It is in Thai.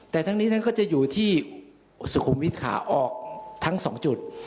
แต่ทั้งนี้นั้นก็จะอยู่ที่สุขุมวิทย์ขาออกทั้งสองจุด